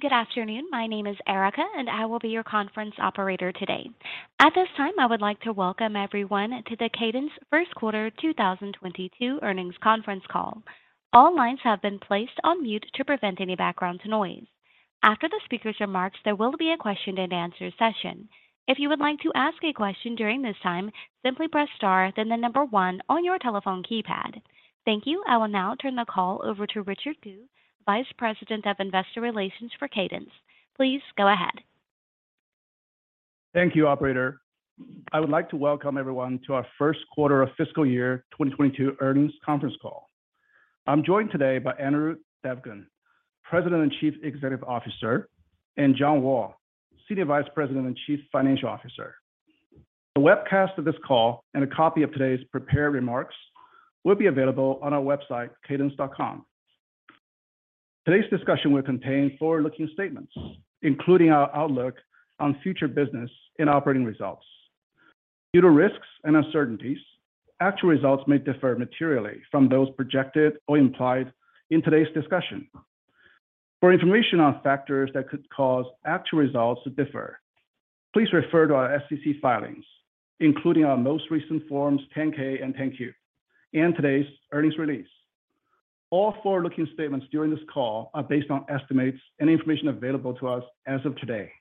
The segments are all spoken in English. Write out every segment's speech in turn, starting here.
Good afternoon. My name is Erica, and I will be your conference operator today. At this time, I would like to welcome everyone to the Cadence first quarter 2022 earnings conference call. All lines have been placed on mute to prevent any background noise. After the speaker's remarks, there will be a question and answer session. If you would like to ask a question during this time, simply press star then the number one on your telephone keypad. Thank you. I will now turn the call over to Richard Gu, Vice President of Investor Relations for Cadence. Please go ahead. Thank you, operator. I would like to welcome everyone to our first quarter of fiscal year 2022 earnings conference call. I'm joined today by Anirudh Devgan, President and Chief Executive Officer, and John Wall, Senior Vice President and Chief Financial Officer. A webcast of this call and a copy of today's prepared remarks will be available on our website, cadence.com. Today's discussion will contain forward-looking statements, including our outlook on future business and operating results. Due to risks and uncertainties, actual results may differ materially from those projected or implied in today's discussion. For information on factors that could cause actual results to differ, please refer to our SEC filings, including our most recent forms 10-K and 10-Q and today's earnings release. All forward-looking statements during this call are based on estimates and information available to us as of today,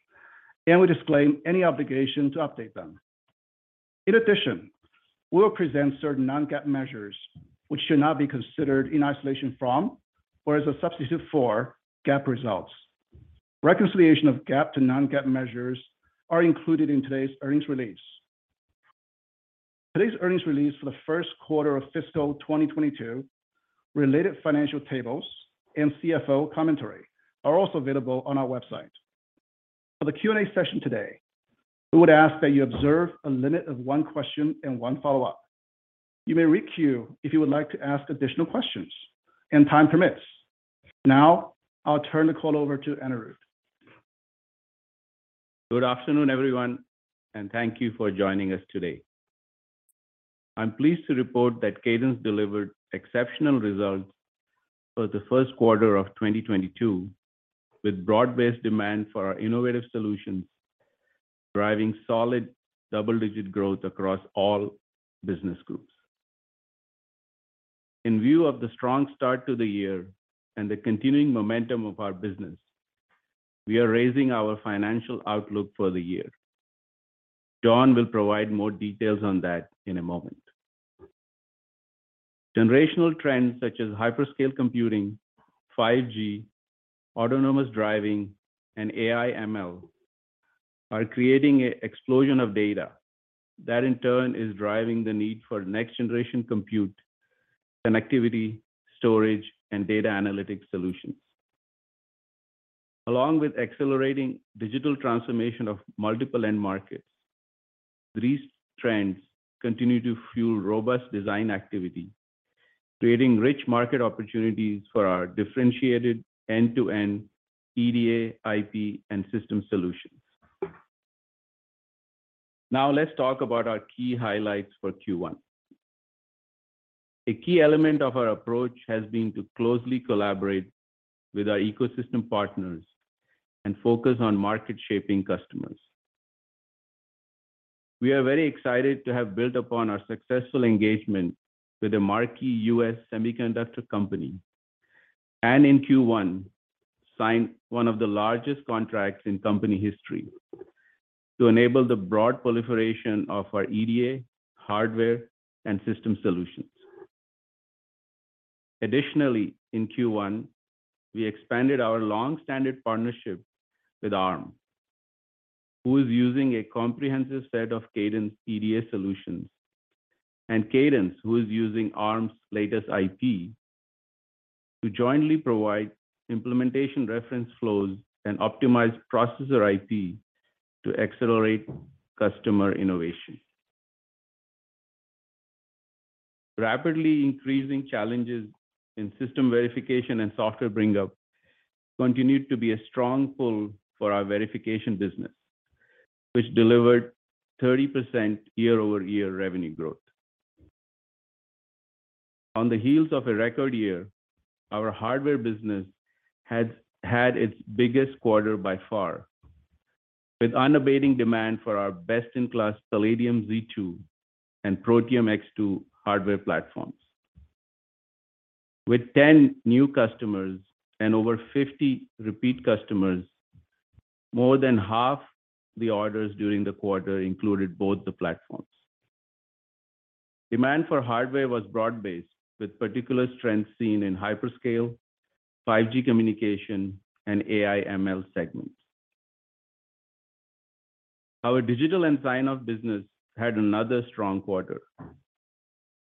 and we disclaim any obligation to update them. In addition, we'll present certain non-GAAP measures, which should not be considered in isolation from or as a substitute for GAAP results. Reconciliation of GAAP to non-GAAP measures are included in today's earnings release. Today's earnings release for the first quarter of fiscal 2022, related financial tables, and CFO commentary are also available on our website. For the Q&A session today, we would ask that you observe a limit of one question and one follow-up. You may re-queue if you would like to ask additional questions and time permits. Now, I'll turn the call over to Anirudh. Good afternoon, everyone, and thank you for joining us today. I'm pleased to report that Cadence delivered exceptional results for the first quarter of 2022, with broad-based demand for our innovative solutions driving solid double-digit growth across all business groups. In view of the strong start to the year and the continuing momentum of our business, we are raising our financial outlook for the year. John will provide more details on that in a moment. Generational trends such as hyperscale computing, 5G, autonomous driving, and AI/ML are creating an explosion of data that in turn is driving the need for next generation compute, connectivity, storage, and data analytics solutions. Along with accelerating digital transformation of multiple end markets, these trends continue to fuel robust design activity, creating rich market opportunities for our differentiated end-to-end EDA, IP, and system solutions. Now, let's talk about our key highlights for Q1. A key element of our approach has been to closely collaborate with our ecosystem partners and focus on market shaping customers. We are very excited to have built upon our successful engagement with a marquee U.S. semiconductor company, and in Q1 signed one of the largest contracts in company history to enable the broad proliferation of our EDA, hardware, and system solutions. Additionally, in Q1, we expanded our long-standing partnership with Arm, who is using a comprehensive set of Cadence EDA solutions, and Cadence, who is using Arm's latest IP to jointly provide implementation reference flows and optimized processor IP to accelerate customer innovation. Rapidly increasing challenges in system verification and software bring-up continued to be a strong pull for our verification business, which delivered 30% year-over-year revenue growth. On the heels of a record year, our hardware business has had its biggest quarter by far, with unabated demand for our best-in-class Palladium Z2 and Protium X2 hardware platforms. With 10 new customers and over 50 repeat customers, more than half the orders during the quarter included both the platforms. Demand for hardware was broad-based with particular strengths seen in hyperscale, 5G communication, and AI/ML segments. Our digital and sign-off business had another strong quarter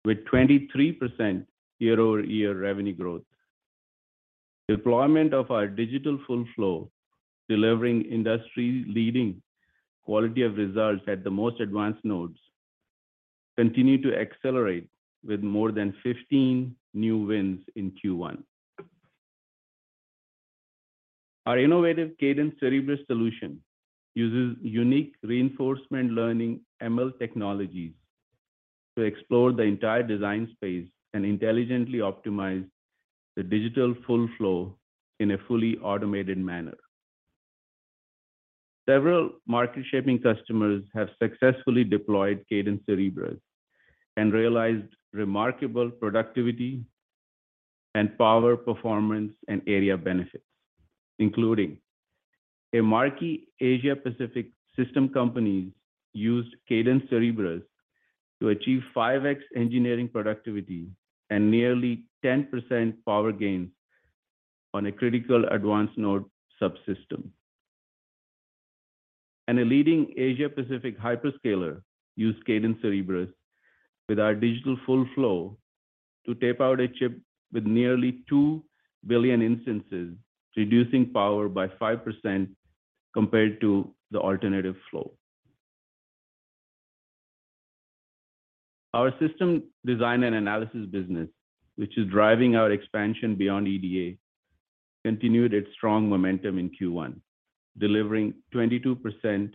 with 23% year-over-year revenue growth. Deployment of our digital full flow, delivering industry-leading quality of results at the most advanced nodes, continued to accelerate with more than 15 new wins in Q1. Our innovative Cadence Cerebrus solution uses unique reinforcement learning ML technologies to explore the entire design space and intelligently optimize the digital full flow in a fully automated manner. Several market-shaping customers have successfully deployed Cadence Cerebrus and realized remarkable productivity and power performance and area benefits, including a marquee Asia Pacific system companies used Cadence Cerebrus to achieve 5x engineering productivity and nearly 10% power gains on a critical advanced node subsystem. A leading Asia Pacific hyperscaler used Cadence Cerebrus with our digital full flow to tape out a chip with nearly 2 billion instances, reducing power by 5% compared to the alternative flow. Our system design and analysis business, which is driving our expansion beyond EDA, continued its strong momentum in Q1, delivering 22%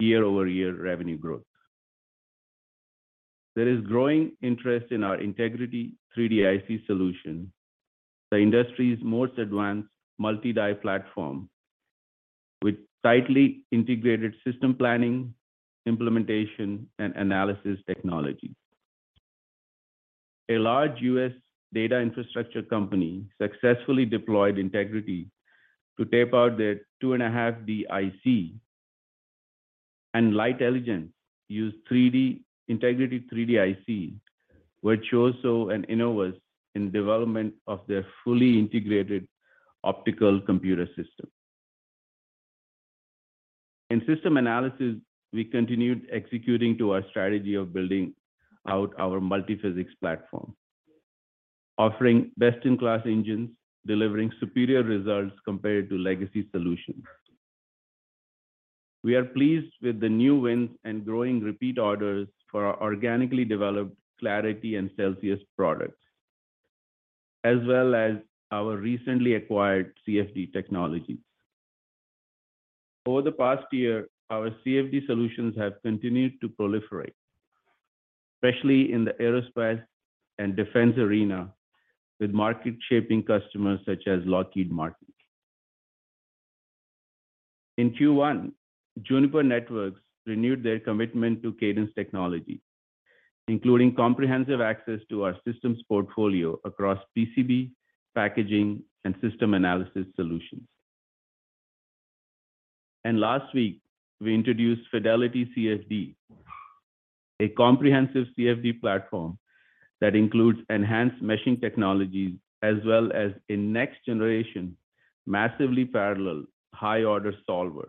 year-over-year revenue growth. There is growing interest in our Integrity 3D-IC solution, the industry's most advanced multi-die platform with tightly integrated system planning, implementation, and analysis technology. A large U.S. data infrastructure company successfully deployed Integrity to tape out their 2.5D IC. Lightelligence used Integrity 3D-IC with Celsius and Innovus in development of their fully integrated optical computer system. In system analysis, we continued executing to our strategy of building out our multi-physics platform, offering best-in-class engines, delivering superior results compared to legacy solutions. We are pleased with the new wins and growing repeat orders for our organically developed Clarity and Celsius products, as well as our recently acquired CFD technologies. Over the past year, our CFD solutions have continued to proliferate, especially in the aerospace and defense arena, with market-shaping customers such as Lockheed Martin. In Q1, Juniper Networks renewed their commitment to Cadence technology, including comprehensive access to our systems portfolio across PCB, packaging, and system analysis solutions. Last week, we introduced Fidelity CFD, a comprehensive CFD platform that includes enhanced meshing technologies, as well as a next generation massively parallel high order solver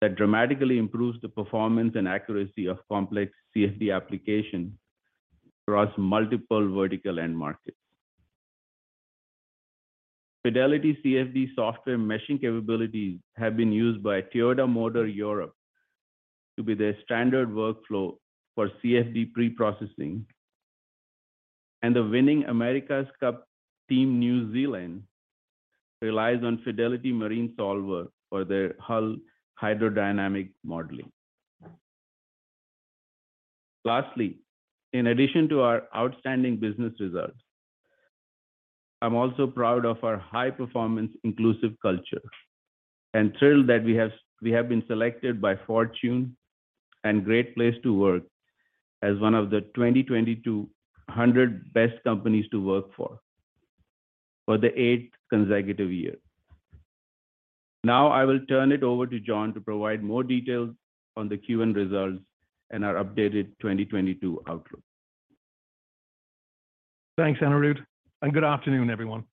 that dramatically improves the performance and accuracy of complex CFD application across multiple vertical end markets. Fidelity CFD software meshing capabilities have been used by Toyota Motor Europe as their standard workflow for CFD preprocessing. The winning America's Cup team Emirates Team New Zealand relies on Fidelity Marine Solver for their hull hydrodynamic modeling. Lastly, in addition to our outstanding business results, I'm also proud of our high-performance inclusive culture and thrilled that we have been selected by Fortune and Great Place to Work as one of the 2022 100 Best Companies to Work For for the eighth consecutive year. Now I will turn it over to John to provide more details on the Q1 results and our updated 2022 outlook. Thanks, Anirudh, and good afternoon, everyone.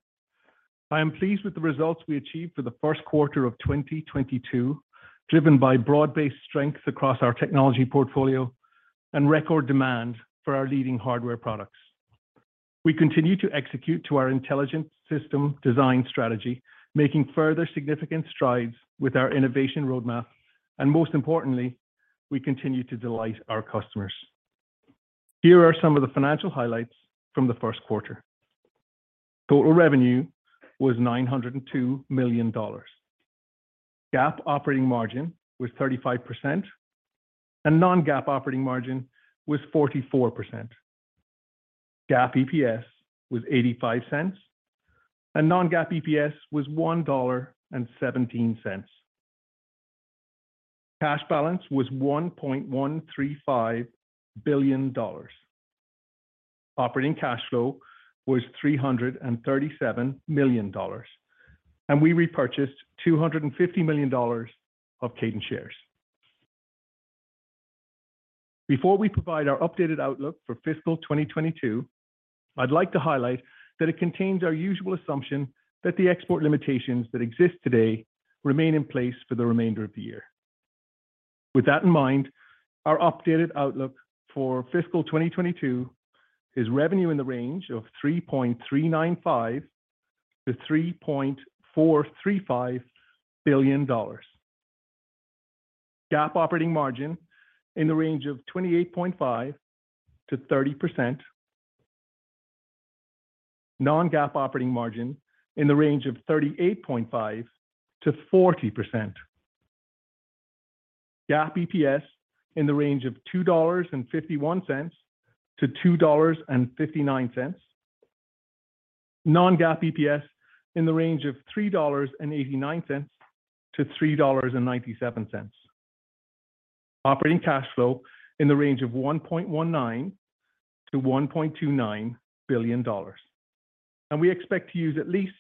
I am pleased with the results we achieved for the first quarter of 2022, driven by broad-based strengths across our technology portfolio and record demand for our leading hardware products. We continue to execute to our intelligent system design strategy, making further significant strides with our innovation roadmap, and most importantly, we continue to delight our customers. Here are some of the financial highlights from the first quarter. Total revenue was $902 million. GAAP operating margin was 35%, and non-GAAP operating margin was 44%. GAAP EPS was $0.85, and non-GAAP EPS was $1.17. Cash balance was $1.135 billion. Operating cash flow was $337 million, and we repurchased $250 million of Cadence shares. Before we provide our updated outlook for fiscal 2022, I'd like to highlight that it contains our usual assumption that the export limitations that exist today remain in place for the remainder of the year. With that in mind, our updated outlook for fiscal 2022 is revenue in the range of $3.395 billion-$3.435 billion. GAAP operating margin in the range of 28.5%-30%. Non-GAAP operating margin in the range of 38.5%-40%. GAAP EPS in the range of $2.51-$2.59. Non-GAAP EPS in the range of $3.89-$3.97. Operating cash flow in the range of $1.19 billion-$1.29 billion. We expect to use at least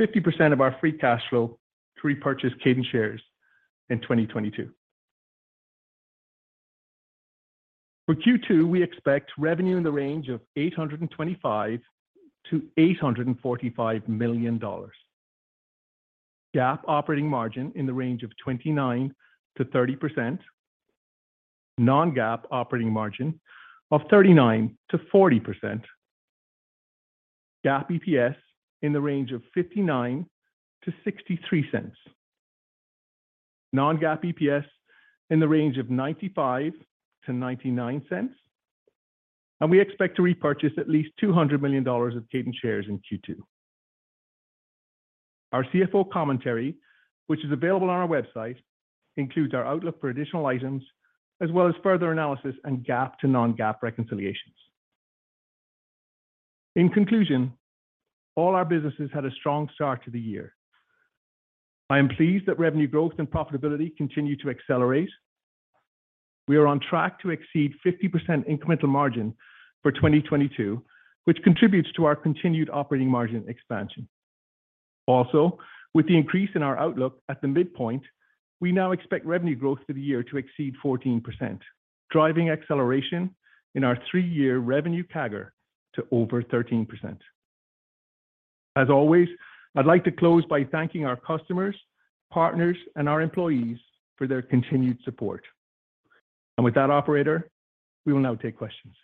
50% of our free cash flow to repurchase Cadence shares in 2022. For Q2, we expect revenue in the range of $825 million-$845 million. GAAP operating margin in the range of 29%-30%. Non-GAAP operating margin of 39%-40%. GAAP EPS in the range of $0.59-$0.63. Non-GAAP EPS in the range of $0.95-$0.99. We expect to repurchase at least $200 million of Cadence shares in Q2. Our CFO commentary, which is available on our website, includes our outlook for additional items, as well as further analysis and GAAP to non-GAAP reconciliations. In conclusion, all our businesses had a strong start to the year. I am pleased that revenue growth and profitability continue to accelerate. We are on track to exceed 50% incremental margin for 2022, which contributes to our continued operating margin expansion. Also, with the increase in our outlook at the midpoint, we now expect revenue growth for the year to exceed 14%, driving acceleration in our three-year revenue CAGR to over 13%. As always, I'd like to close by thanking our customers, partners, and our employees for their continued support. With that, operator, we will now take questions.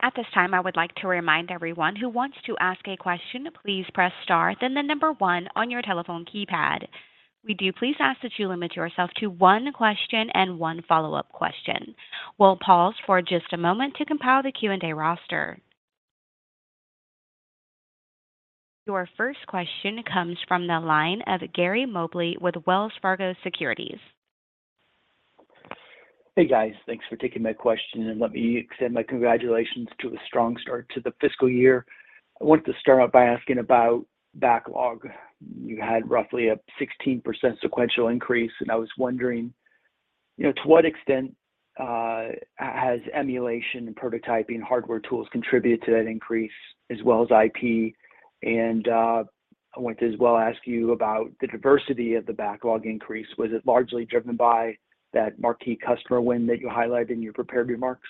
At this time, I would like to remind everyone who wants to ask a question, please press star, then the number one on your telephone keypad. We do please ask that you limit yourself to one question and one follow-up question. We'll pause for just a moment to compile the Q&A roster. Your first question comes from the line of Gary Mobley with Wells Fargo Securities. Hey, guys. Thanks for taking my question, and let me extend my congratulations to a strong start to the fiscal year. I wanted to start out by asking about backlog. You had roughly a 16% sequential increase, and I was wondering, you know, to what extent has emulation and prototyping hardware tools contributed to that increase as well as IP? I wanted to as well ask you about the diversity of the backlog increase. Was it largely driven by that marquee customer win that you highlight in your prepared remarks?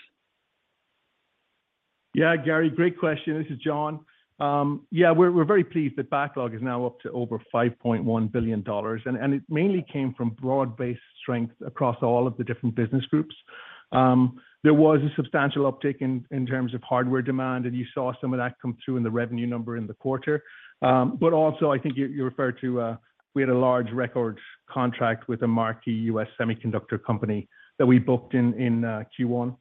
Yeah. Gary, great question. This is John. Yeah, we're very pleased that backlog is now up to over $5.1 billion, and it mainly came from broad-based strength across all of the different business groups. There was a substantial uptick in terms of hardware demand, and you saw some of that come through in the revenue number in the quarter. But also I think you referred to, we had a large recurring contract with a marquee U.S. semiconductor company that we booked in Q1.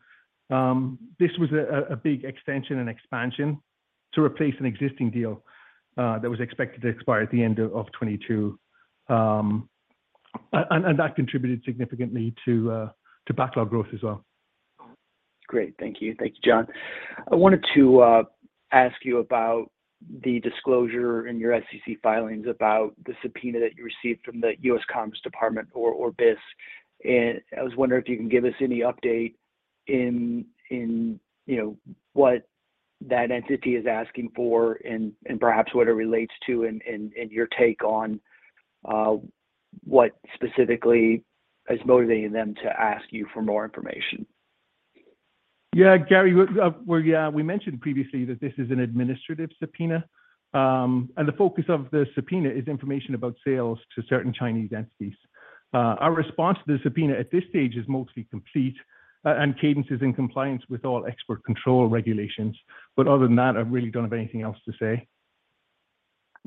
This was a big extension and expansion to replace an existing deal, that was expected to expire at the end of 2022. That contributed significantly to backlog growth as well. Great. Thank you. Thank you, John. I wanted to ask you about the disclosure in your SEC filings about the subpoena that you received from the U.S. Department of Commerce or BIS. I was wondering if you can give us any update on what that entity is asking for and perhaps what it relates to and your take on what specifically is motivating them to ask you for more information. Yeah. Gary, well, yeah, we mentioned previously that this is an administrative subpoena. The focus of the subpoena is information about sales to certain Chinese entities. Our response to the subpoena at this stage is mostly complete, and Cadence is in compliance with all export control regulations. Other than that, I really don't have anything else to say.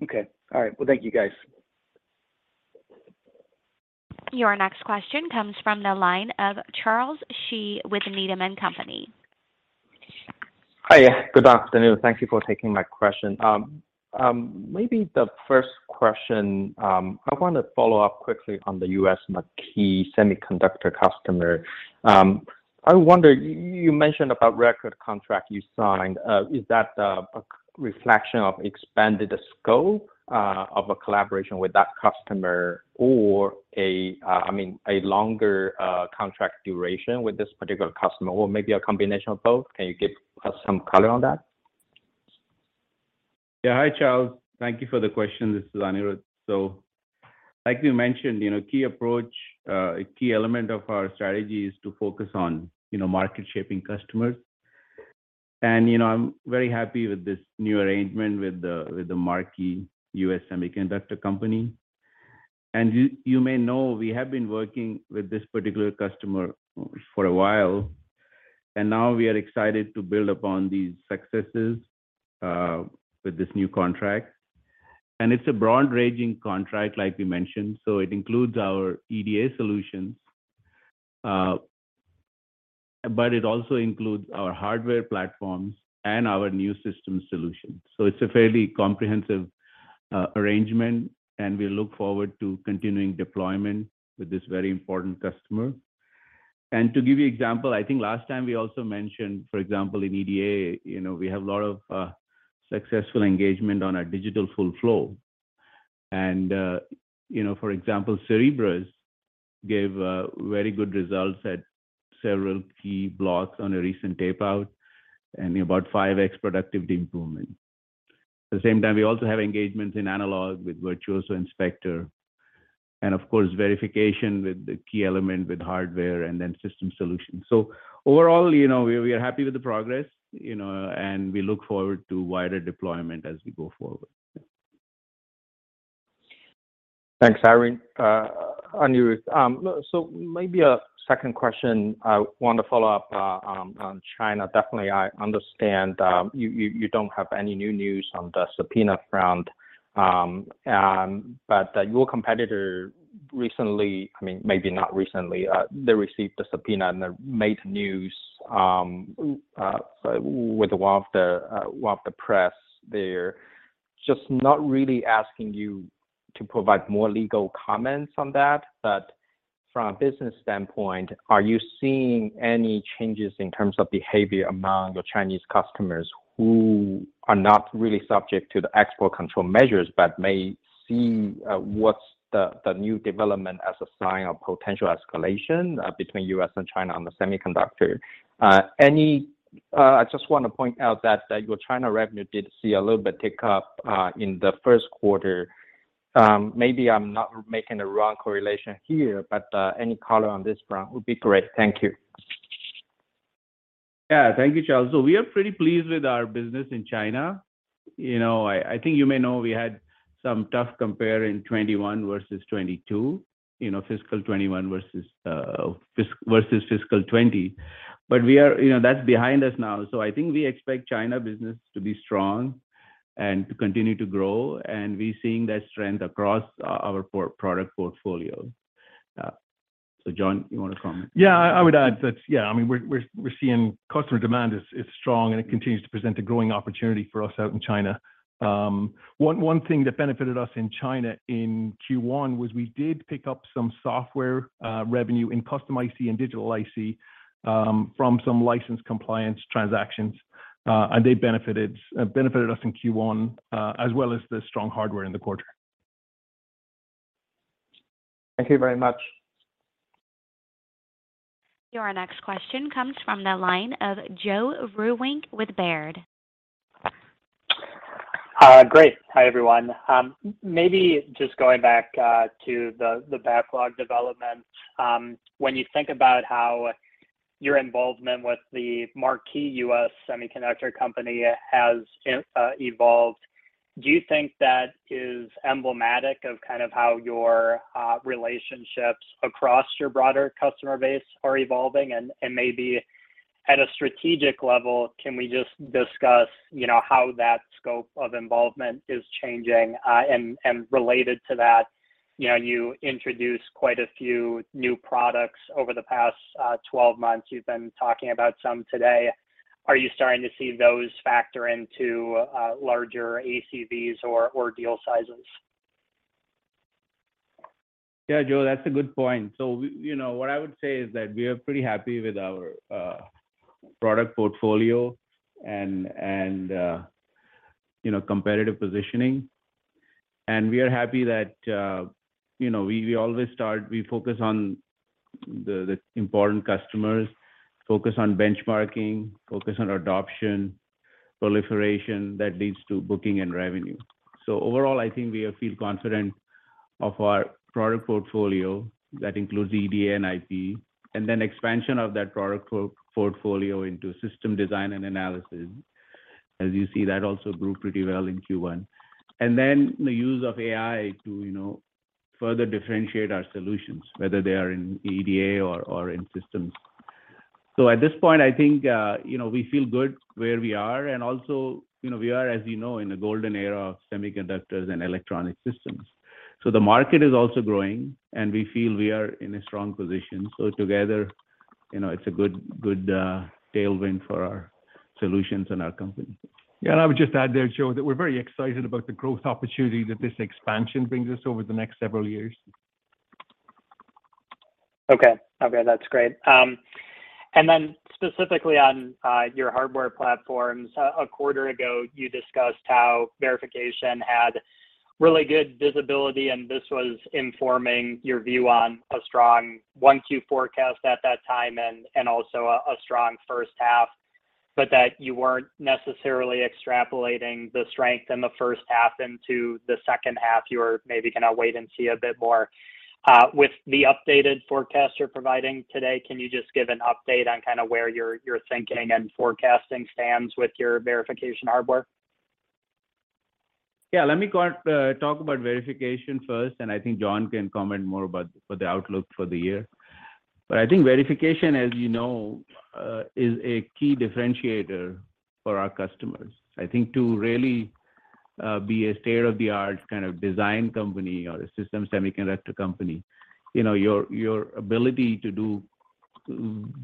Okay. All right. Well, thank you, guys. Your next question comes from the line of Charles Shi with Needham & Company. Hi. Good afternoon. Thank you for taking my question. Maybe the first question, I wanna follow up quickly on the U.S. marquee semiconductor customer. I wonder, you mentioned about record contract you signed. Is that a reflection of expanded scope of a collaboration with that customer or a, I mean, a longer contract duration with this particular customer, or maybe a combination of both? Can you give us some color on that? Yeah. Hi, Charles. Thank you for the question. This is Anirudh. Like we mentioned, you know, a key element of our strategy is to focus on, you know, market-shaping customers. You know, I'm very happy with this new arrangement with the marquee U.S. semiconductor company. You may know we have been working with this particular customer for a while, and now we are excited to build upon these successes with this new contract. It's a broad-ranging contract, like we mentioned, so it includes our EDA solutions. It also includes our hardware platforms and our new system solutions. It's a fairly comprehensive arrangement, and we look forward to continuing deployment with this very important customer. To give you example, I think last time we also mentioned, for example, in EDA, you know, we have a lot of successful engagement on our digital full flow. You know, for example, Cerebras gave very good results at several key blocks on a recent tape out and about 5x productivity improvement. At the same time, we also have engagements in analog with Virtuoso ADE, and of course, verification with the key element with hardware and then system solutions. Overall, you know, we are happy with the progress, you know, and we look forward to wider deployment as we go forward. Thanks, Anirudh. Anirudh, so maybe a second question I want to follow up on China. I understand you don't have any new news on the subpoena front, but your competitor recently, I mean, maybe not recently, they received a subpoena and made news with a lot of the press there. I'm just not really asking you to provide more legal comments on that, but from a business standpoint, are you seeing any changes in terms of behavior among your Chinese customers who are not really subject to the export control measures, but may see what's the new development as a sign of potential escalation between U.S. and China on the semiconductor? I just want to point out that your China revenue did see a little bit tick up in the first quarter. Maybe I'm not making the wrong correlation here, but any color on this front would be great. Thank you. Yeah. Thank you, Charles. We are pretty pleased with our business in China. You know, I think you may know we had some tough comp in 2021 versus 2022, you know, fiscal 2021 versus fiscal 2020. You know, that's behind us now. I think we expect China business to be strong and to continue to grow, and we're seeing that strength across our product portfolio. John, you want to comment? Yeah, I would add that, yeah, I mean, we're seeing customer demand is strong, and it continues to present a growing opportunity for us out in China. One thing that benefited us in China in Q1 was we did pick up some software revenue in custom IC and digital IC from some license compliance transactions, and they benefited us in Q1, as well as the strong hardware in the quarter. Thank you very much. Your next question comes from the line of Joe Vruwink with Baird. Great. Hi, everyone. Maybe just going back to the backlog development. When you think about how your involvement with the marquee U.S. semiconductor company has evolved, do you think that is emblematic of kind of how your relationships across your broader customer base are evolving? Maybe at a strategic level, can we just discuss, you know, how that scope of involvement is changing? Related to that, you know, you introduced quite a few new products over the past 12 months. You've been talking about some today. Are you starting to see those factor into larger ACVs or deal sizes? Yeah, Joe, that's a good point. We, you know, what I would say is that we are pretty happy with our product portfolio and, you know, we always start, we focus on the important customers, focus on benchmarking, focus on adoption, proliferation that leads to booking and revenue. Overall, I think we feel confident of our product portfolio that includes EDA and IP, and then expansion of that product portfolio into system design and analysis. As you see, that also grew pretty well in Q1. Then the use of AI to, you know, further differentiate our solutions, whether they are in EDA or in systems. At this point, I think, you know, we feel good where we are and also, you know, we are, as you know, in a golden era of semiconductors and electronic systems. The market is also growing, and we feel we are in a strong position. Together, you know, it's a good tailwind for our solutions and our company. Yeah. I would just add there, Joe, that we're very excited about the growth opportunity that this expansion brings us over the next several years. Okay. Okay, that's great. Then specifically on your hardware platforms, a quarter ago, you discussed how verification had really good visibility, and this was informing your view on a strong 1Q forecast at that time and also a strong first half, but that you weren't necessarily extrapolating the strength in the first half into the second half. You were maybe gonna wait and see a bit more. With the updated forecast you're providing today, can you just give an update on kind of where your thinking and forecasting stands with your verification hardware? Yeah. Let me go talk about verification first, and I think John can comment more about the outlook for the year. I think verification, as you know, is a key differentiator for our customers. I think to really be a state-of-the-art kind of design company or a system semiconductor company. You know, your ability to do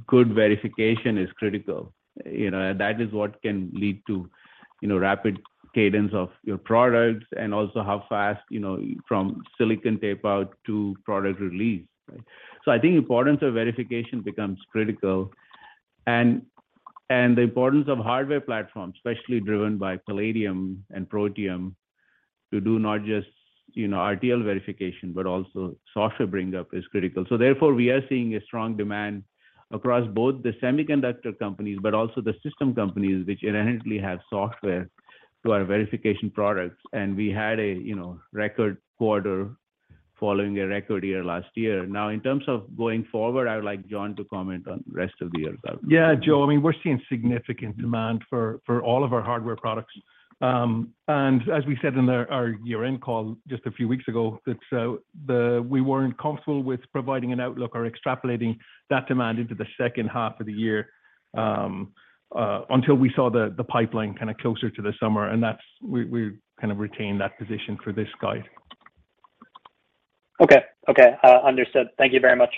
good verification is critical. You know, and that is what can lead to, you know, rapid cadence of your products and also how fast, you know, from silicon tape-out to product release, right? I think importance of verification becomes critical. The importance of hardware platforms, especially driven by Palladium and Protium, to do not just, you know, RTL verification, but also software bring-up is critical. We are seeing a strong demand across both the semiconductor companies, but also the system companies, which inherently have software to our verification products. We had a, you know, record quarter following a record year last year. Now, in terms of going forward, I would like John to comment on the rest of the year results. Yeah. Joe, I mean, we're seeing significant demand for all of our hardware products. As we said in our year-end call just a few weeks ago, that we weren't comfortable with providing an outlook or extrapolating that demand into the second half of the year, until we saw the pipeline kind of closer to the summer. That's, we kind of retained that position for this guide. Okay. Understood. Thank you very much.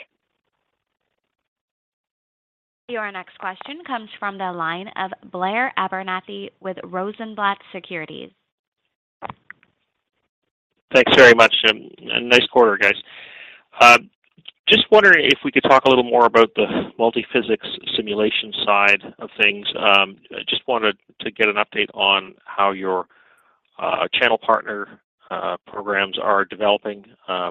Your next question comes from the line of Blair Abernethy with Rosenblatt Securities. Thanks very much, and nice quarter, guys. Just wondering if we could talk a little more about the multi-physics simulation side of things. Just wanted to get an update on how your channel partner programs are developing,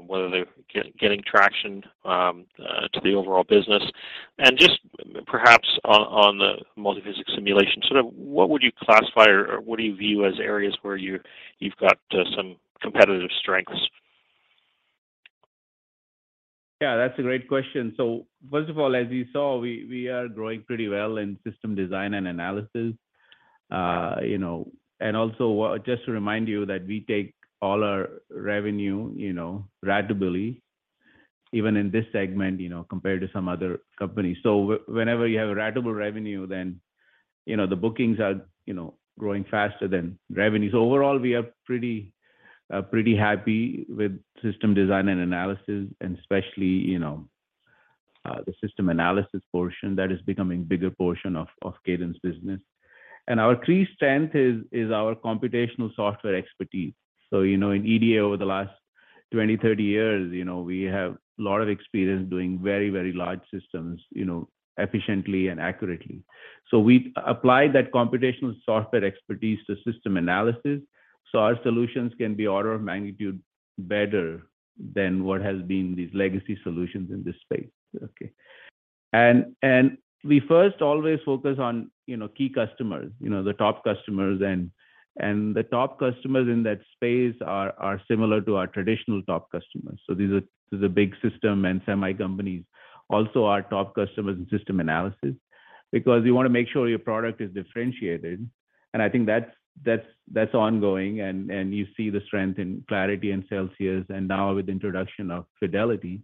whether they're getting traction to the overall business. Just perhaps on the multi-physics simulation, sort of what would you classify or what do you view as areas where you've got some competitive strengths? Yeah, that's a great question. First of all, as you saw, we are growing pretty well in System Design and Analysis. You know, also just to remind you that we take all our revenue, you know, ratably, even in this segment, you know, compared to some other companies. Whenever you have ratable revenue, then, you know, the bookings are, you know, growing faster than revenues. Overall, we are pretty happy with System Design and Analysis, and especially, you know, the System Analysis portion that is becoming bigger portion of Cadence business. Our key strength is our computational software expertise. You know, in EDA over the last 20, 30 years, you know, we have a lot of experience doing very large systems, you know, efficiently and accurately. We apply that computational software expertise to system analysis, so our solutions can be order of magnitude better than what has been these legacy solutions in this space. Okay. We first always focus on, you know, key customers, you know, the top customers. The top customers in that space are similar to our traditional top customers. These are big system and semi companies, also our top customers in system analysis, because you wanna make sure your product is differentiated, and I think that's ongoing, and you see the strength in Clarity and Celsius, and now with the introduction of Fidelity.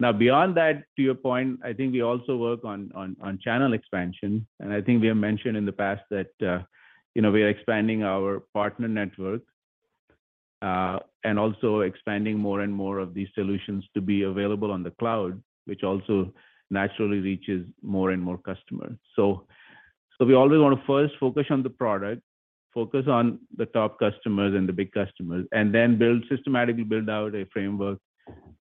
Now beyond that, to your point, I think we also work on channel expansion. I think we have mentioned in the past that, you know, we are expanding our partner network, and also expanding more and more of these solutions to be available on the cloud, which also naturally reaches more and more customers. So we always wanna first focus on the product, focus on the top customers and the big customers, and then systematically build out a framework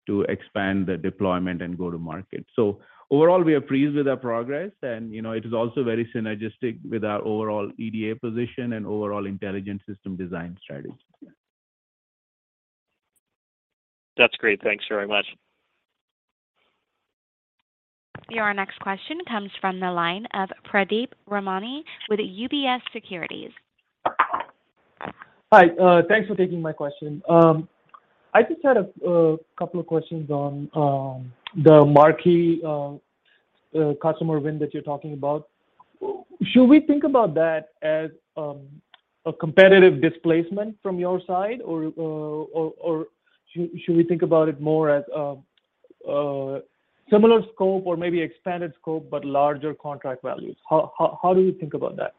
to expand the deployment and go to market. So overall, we are pleased with our progress and, you know, it is also very synergistic with our overall EDA position and overall intelligent system design strategy. That's great. Thanks very much. Your next question comes from the line of Pradeep Ramani with UBS Securities. Hi, thanks for taking my question. I just had a couple of questions on the marquee customer win that you're talking about. Should we think about that as a competitive displacement from your side or should we think about it more as similar scope or maybe expanded scope, but larger contract values? How do you think about that?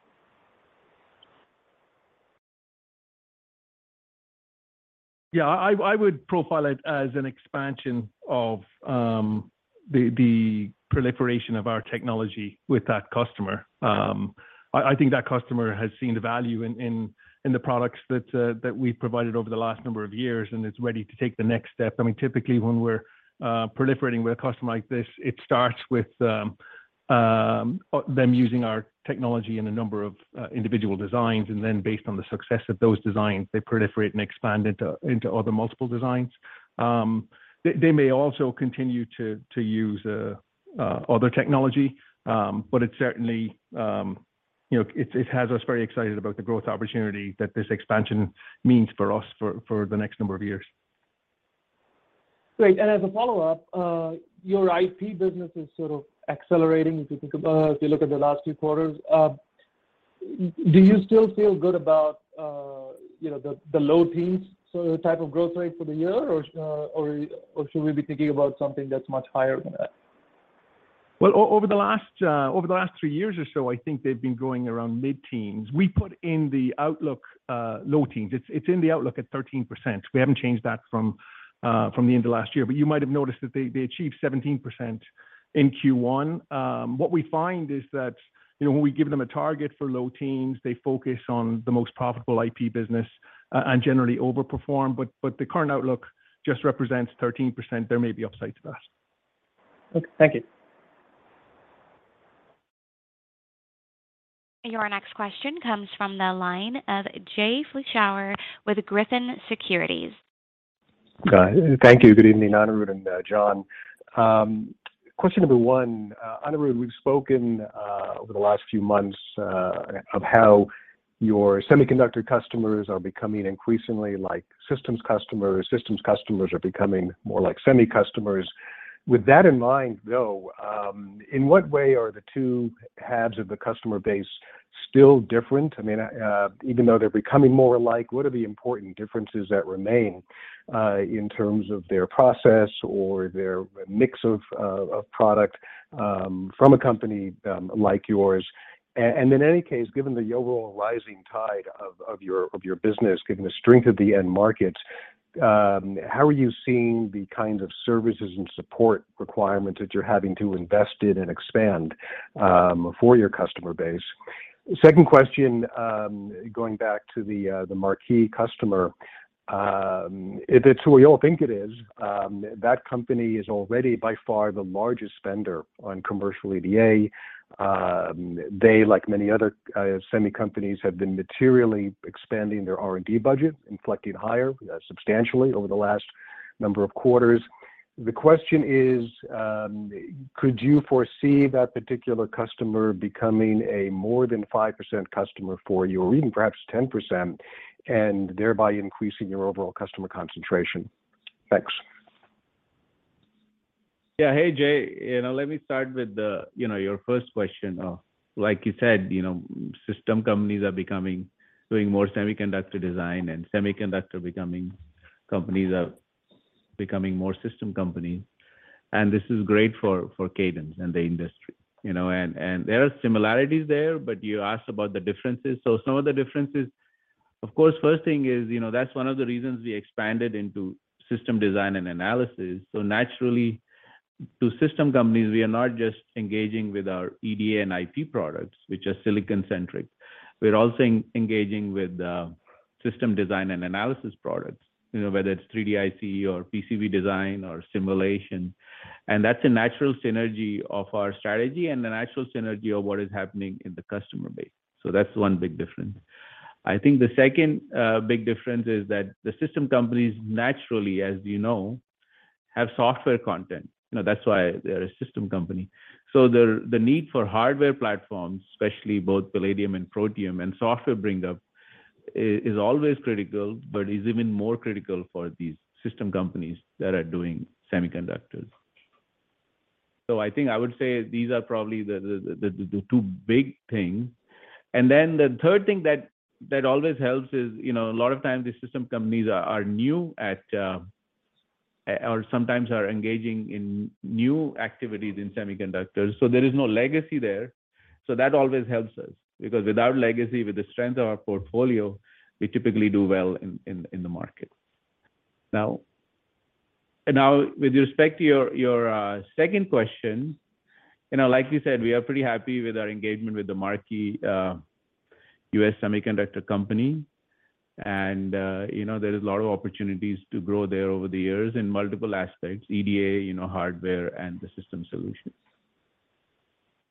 Yeah. I would profile it as an expansion of the proliferation of our technology with that customer. I think that customer has seen the value in the products that we've provided over the last number of years and is ready to take the next step. I mean, typically when we're proliferating with a customer like this, it starts with them using our technology in a number of individual designs, and then based on the success of those designs, they proliferate and expand into other multiple designs. They may also continue to use other technology, but it's certainly, you know, it has us very excited about the growth opportunity that this expansion means for us for the next number of years. Great. As a follow-up, your IP business is sort of accelerating, if you look at the last few quarters. Do you still feel good about, you know, the low teens sort of type of growth rate for the year or should we be thinking about something that's much higher than that? Well, over the last three years or so, I think they've been growing around mid-teens%. We put in the outlook low teens%. It's in the outlook at 13%. We haven't changed that from the end of last year. You might have noticed that they achieved 17% in Q1. What we find is that, you know, when we give them a target for low teens%, they focus on the most profitable IP business and generally overperform. The current outlook just represents 13%. There may be upsides to that. Okay, thank you. Your next question comes from the line of Jay Vleeschhouwer with Griffin Securities. Got it. Thank you. Good evening, Anirudh and John. Question number one. Anirudh, we've spoken over the last few months of how your semiconductor customers are becoming increasingly like systems customers, systems customers are becoming more like semi customers. With that in mind, though, in what way are the two halves of the customer base still different? I mean, even though they're becoming more alike, what are the important differences that remain in terms of their process or their mix of product from a company like yours? And in any case, given the overall rising tide of your business, given the strength of the end markets, how are you seeing the kinds of services and support requirements that you're having to invest in and expand for your customer base? Second question, going back to the marquee customer. If it's who we all think it is, that company is already by far the largest spender on commercial EDA. They, like many other semi companies, have been materially expanding their R&D budget, inflecting higher substantially over the last number of quarters. The question is, could you foresee that particular customer becoming a more than 5% customer for you, or even perhaps 10%, and thereby increasing your overall customer concentration? Thanks. Yeah. Hey, Jay. You know, let me start with the, you know, your first question. Like you said, you know, system companies are doing more semiconductor design, and semiconductor companies are becoming more system companies, and this is great for Cadence and the industry, you know. There are similarities there, but you asked about the differences. Some of the differences, of course, first thing is, you know, that's one of the reasons we expanded into system design and analysis. Naturally, to system companies, we are not just engaging with our EDA and IP products, which are silicon-centric. We're also engaging with system design and analysis products, you know, whether it's 3D IC or PCB design or simulation. That's a natural synergy of our strategy and a natural synergy of what is happening in the customer base. That's one big difference. I think the second big difference is that the system companies naturally, as you know, have software content. You know, that's why they're a system company. The need for hardware platforms, especially both Palladium and Protium, and software bring-up, is always critical, but is even more critical for these system companies that are doing semiconductors. I think I would say these are probably the two big things. Then the third thing that always helps is, you know, a lot of times these system companies are new at or sometimes are engaging in new activities in semiconductors, so there is no legacy there. That always helps us because without legacy, with the strength of our portfolio, we typically do well in the market. Now. Now with respect to your second question, you know, like you said, we are pretty happy with our engagement with the marquee U.S. semiconductor company. You know, there is a lot of opportunities to grow there over the years in multiple aspects, EDA, you know, hardware, and the system solutions.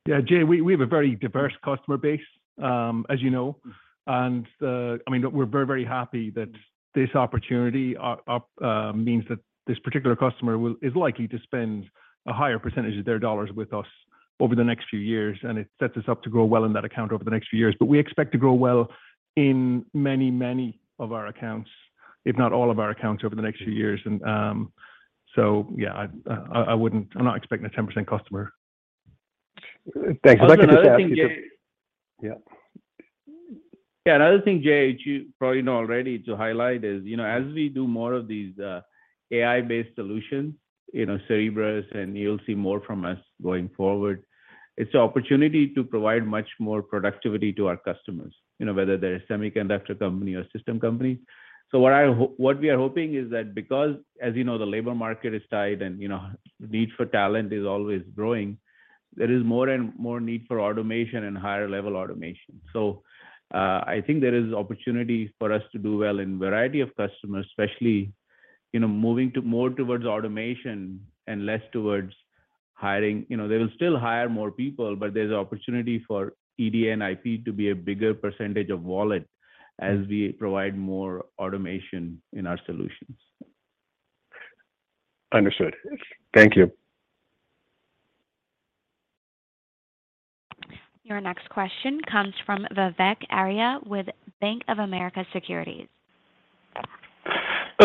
Yeah, Jay, we have a very diverse customer base, as you know. I mean, we're very, very happy that this opportunity means that this particular customer is likely to spend a higher percentage of their dollars with us over the next few years, and it sets us up to grow well in that account over the next few years. We expect to grow well in many, many of our accounts, if not all of our accounts over the next few years. Yeah, I'm not expecting a 10% customer. Thanks. Yeah. Another thing, Jay, to probably know already to highlight is, you know, as we do more of these AI-based solutions, you know, Cerebrus, and you'll see more from us going forward, it's an opportunity to provide much more productivity to our customers, you know, whether they're a semiconductor company or system company. What we are hoping is that because, as you know, the labor market is tight and, you know, need for talent is always growing, there is more and more need for automation and higher level automation. I think there is opportunity for us to do well in variety of customers, especially, you know, moving to more towards automation and less towards hiring. You know, they will still hire more people, but there's an opportunity for EDA and IP to be a bigger percentage of wallet as we provide more automation in our solutions. Understood. Thank you. Your next question comes from Vivek Arya with Bank of America Securities.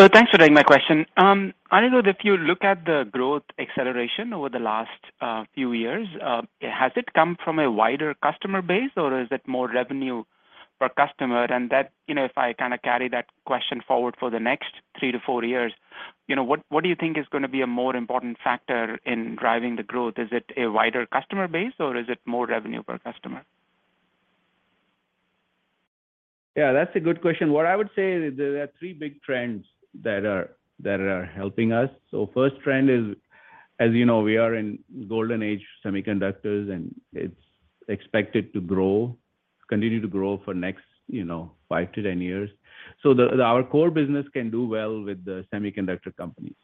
Thanks for taking my question. Anirudh, if you look at the growth acceleration over the last few years, has it come from a wider customer base or is it more revenue per customer? And that, you know, if I kind of carry that question forward for the next 3-4 years, you know, what do you think is going to be a more important factor in driving the growth? Is it a wider customer base or is it more revenue per customer? Yeah, that's a good question. What I would say is there are three big trends that are helping us. First trend is, as you know, we are in golden age semiconductors and it's expected to grow, continue to grow for next, you know, 5-10 years. Our core business can do well with the semiconductor companies.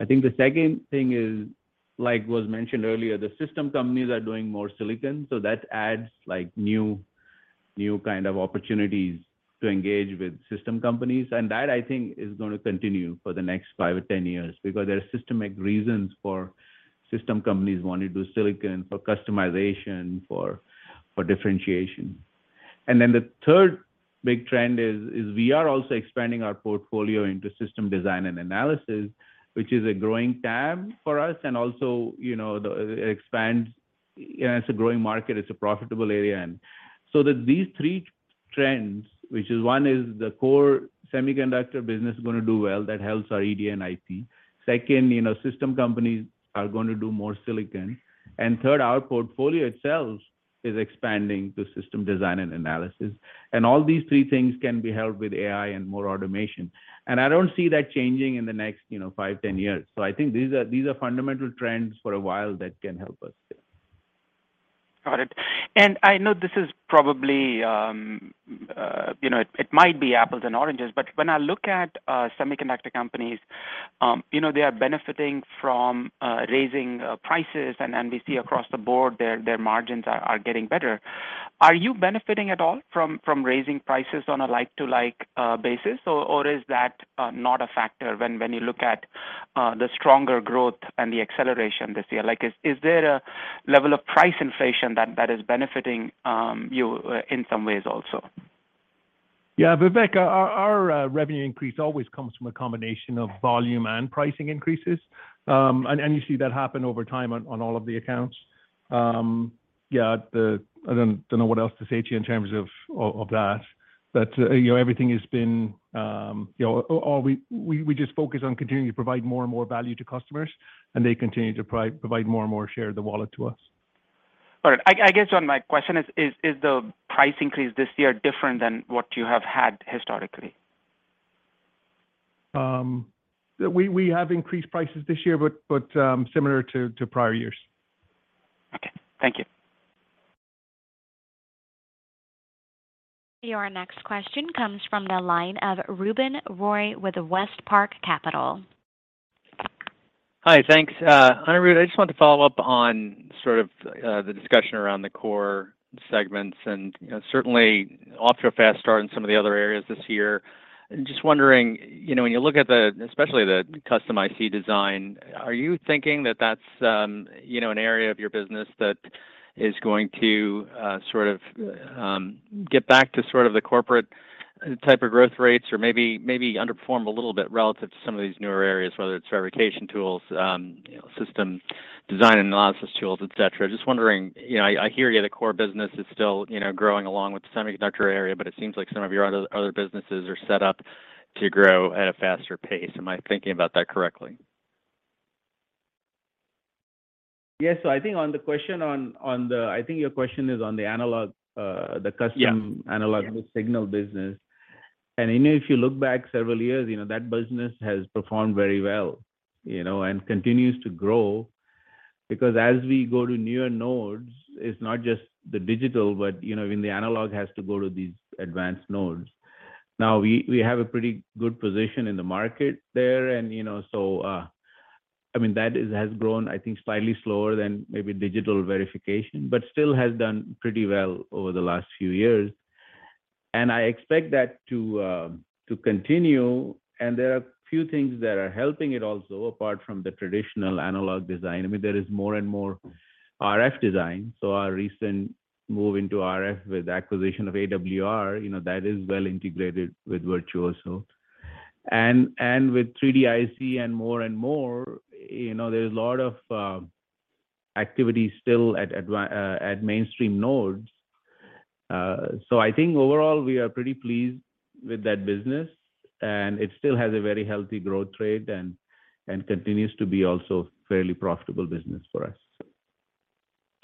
I think the second thing is, like was mentioned earlier, the system companies are doing more silicon, so that adds like new kind of opportunities to engage with system companies. That I think is going to continue for the next 5 or 10 years because there are systemic reasons for system companies want to do silicon for customization, for differentiation. The third big trend is we are also expanding our portfolio into system design and analysis, which is a growing tack for us and also, you know, the, it expands and it's a growing market, it's a profitable area. That these three trends, which is one, the core semiconductor business is going to do well, that helps our EDA and IP. Second, you know, system companies are going to do more silicon. Third, our portfolio itself is expanding to system design and analysis. All these three things can be helped with AI and more automation. I don't see that changing in the next, you know, 5, 10 years. I think these are fundamental trends for a while that can help us. Got it. I know this is probably, you know, it might be apples and oranges, but when I look at semiconductor companies, you know, they are benefiting from raising prices and we see across the board their margins are getting better. Are you benefiting at all from raising prices on a like-to-like basis? Or is that not a factor when you look at the stronger growth and the acceleration this year? Like is there a level of price inflation that is benefiting you in some ways also? Yeah, Vivek, our revenue increase always comes from a combination of volume and pricing increases. You see that happen over time on all of the accounts. Yeah, I don't know what else to say to you in terms of that. You know, everything has been, you know, or we just focus on continuing to provide more and more value to customers, and they continue to provide more and more share of the wallet to us. All right. I guess, John, my question is the price increase this year different than what you have had historically? We have increased prices this year, but similar to prior years. Okay. Thank you. Your next question comes from the line of Ruben Roy with WestPark Capital. Hi. Thanks. Anirudh, I just wanted to follow up on sort of the discussion around the core segments and, you know, certainly off to a fast start in some of the other areas this year. Just wondering, you know, when you look at the, especially the custom IC design, are you thinking that that's, you know, an area of your business that is going to sort of get back to sort of the corporate type of growth rates or maybe underperform a little bit relative to some of these newer areas, whether it's verification tools, you know, system design and analysis tools, et cetera? Just wondering, you know, I hear you, the core business is still, you know, growing along with the semiconductor area, but it seems like some of your other businesses are set up to grow at a faster pace. Am I thinking about that correctly? Yes. I think your question is on the analog, the custom- Yeah. Analog signal business. You know, if you look back several years, you know, that business has performed very well, you know, and continues to grow because as we go to newer nodes, it's not just the digital, but, you know, I mean the analog has to go to these advanced nodes. Now we have a pretty good position in the market there and, you know, so, I mean that has grown I think slightly slower than maybe digital verification, but still has done pretty well over the last few years. I expect that to continue, and there are a few things that are helping it also, apart from the traditional analog design. I mean, there is more and more RF design, so our recent move into RF with acquisition of AWR, you know, that is well integrated with Virtuoso. with 3D IC and more and more, you know, there's a lot of activity still at mainstream nodes. I think overall we are pretty pleased with that business and it still has a very healthy growth rate and continues to be also fairly profitable business for us.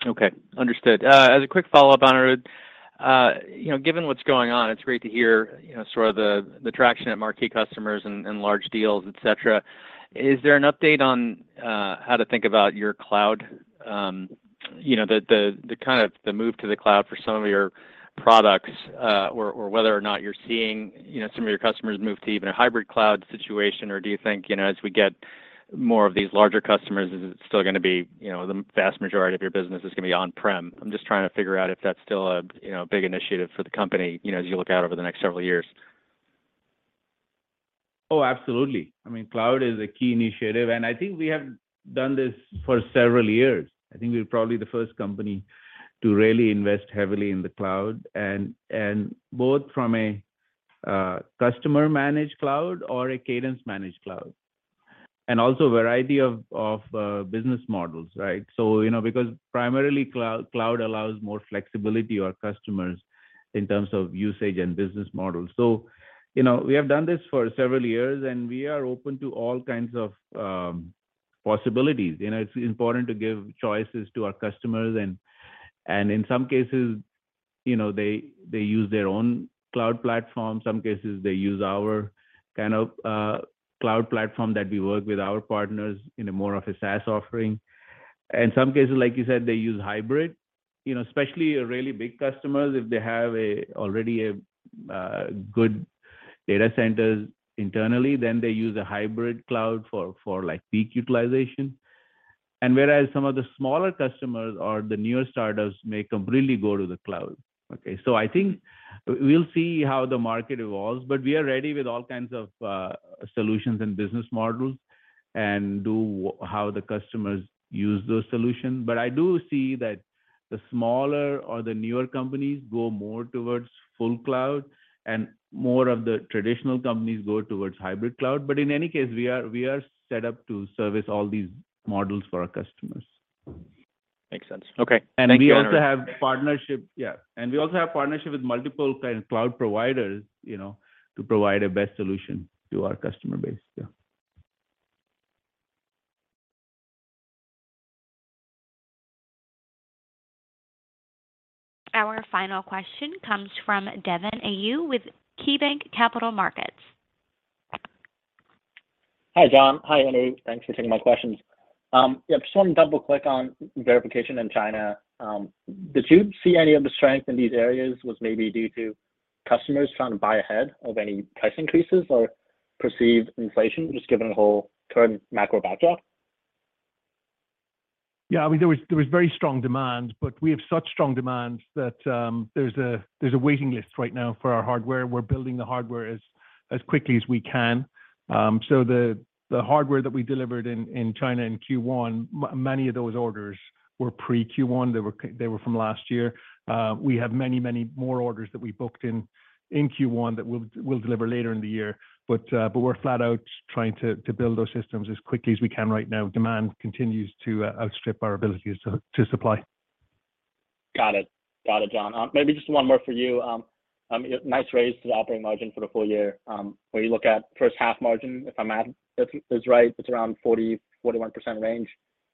Okay. Understood. As a quick follow-up, Anirudh, you know, given what's going on, it's great to hear, you know, sort of the traction at marquee customers and large deals, et cetera. Is there an update on how to think about your cloud? You know, the kind of the move to the cloud for some of your products, or whether or not you're seeing, you know, some of your customers move to even a hybrid cloud situation? Or do you think, you know, as we get more of these larger customers, is it still gonna be, you know, the vast majority of your business is gonna be on-prem? I'm just trying to figure out if that's still a big initiative for the company, you know, as you look out over the next several years. Oh, absolutely. I mean, cloud is a key initiative, and I think we have done this for several years. I think we're probably the first company to really invest heavily in the cloud and both from a customer-managed cloud or a Cadence-managed cloud. And also variety of business models, right? So, you know, because primarily cloud allows more flexibility to our customers in terms of usage and business models. So, you know, we have done this for several years, and we are open to all kinds of possibilities. You know, it's important to give choices to our customers and in some cases, you know, they use their own cloud platform, some cases they use our kind of cloud platform that we work with our partners in more of a SaaS offering. In some cases, like you said, they use hybrid. You know, especially really big customers, if they have already a good data centers internally, then they use a hybrid cloud for like peak utilization. Whereas some of the smaller customers or the newer startups may completely go to the cloud. I think we'll see how the market evolves, but we are ready with all kinds of solutions and business models and how the customers use those solutions. I do see that the smaller or the newer companies go more towards full cloud and more of the traditional companies go towards hybrid cloud. In any case, we are set up to service all these models for our customers. Makes sense. Okay. Thank you. We also have partnership with multiple kind of cloud providers, you know, to provide a best solution to our customer base. Yeah. Our final question comes from Devin Au with KeyBanc Capital Markets. Hi, John. Hi, Anirudh. Thanks for taking my questions. Yeah, just wanna double-click on verification in China. Did you see any of the strength in these areas was maybe due to customers trying to buy ahead of any price increases or perceived inflation, just given the whole current macro backdrop? Yeah. I mean, there was very strong demand, but we have such strong demand that, there's a waiting list right now for our hardware. We're building the hardware as quickly as we can. So the hardware that we delivered in China in Q1, many of those orders were pre-Q1. They were from last year. We have many more orders that we booked in Q1 that we'll deliver later in the year. But we're flat out trying to build those systems as quickly as we can right now. Demand continues to outstrip our ability to supply. Got it, John. Maybe just one more for you. Nice raise to the operating margin for the full year. When you look at first half margin, if I'm right, it's around 40, 41% range.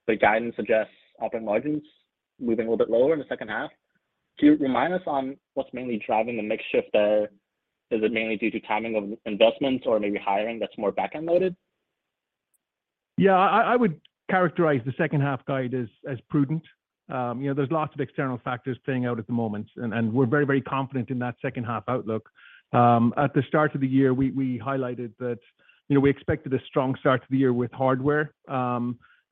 The guidance suggests operating margins moving a little bit lower in the second half. Can you remind us on what's mainly driving the mix shift there? Is it mainly due to timing of investments or maybe hiring that's more back-end loaded? Yeah. I would characterize the second half guidance as prudent. You know, there's lots of external factors playing out at the moment and we're very confident in that second half outlook. At the start of the year, we highlighted that, you know, we expected a strong start to the year with hardware.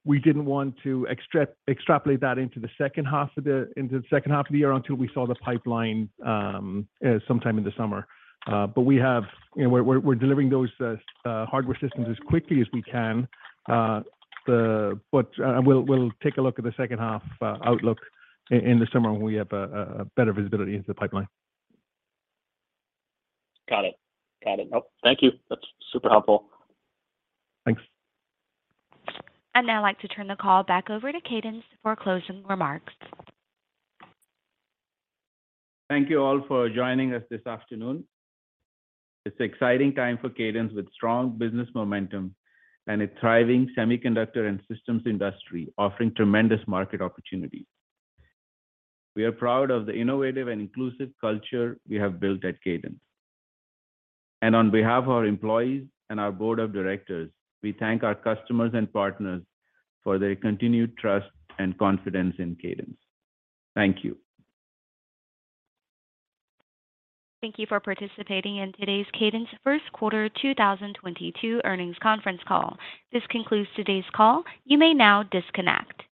We didn't want to extrapolate that into the second half of the year until we saw the pipeline sometime in the summer. You know, we're delivering those hardware systems as quickly as we can. We'll take a look at the second half outlook in the summer when we have a better visibility into the pipeline. Got it. Got it. No, thank you. That's super helpful. Thanks. I'd now like to turn the call back over to Cadence for closing remarks. Thank you all for joining us this afternoon. It's an exciting time for Cadence with strong business momentum and a thriving semiconductor and systems industry offering tremendous market opportunities. We are proud of the innovative and inclusive culture we have built at Cadence. On behalf of our employees and our board of directors, we thank our customers and partners for their continued trust and confidence in Cadence. Thank you. Thank you for participating in today's Cadence first quarter 2022 earnings conference call. This concludes today's call. You may now disconnect.